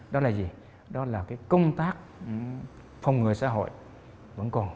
đó là gì đó là công tác phòng người xã hội vẫn còn